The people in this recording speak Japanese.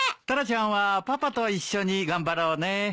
タラちゃんはパパと一緒に頑張ろうね。